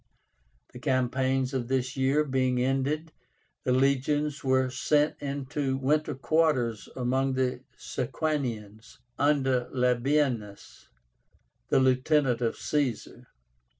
The campaigns of this year being ended, the legions were sent into winter quarters among the Sequanians under Labiénus, the lieutenant of Caesar.